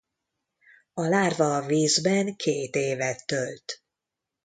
A lárva a vízben két évet tölt.